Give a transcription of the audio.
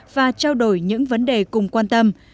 để trao đổi những vấn đề cùng quan tâm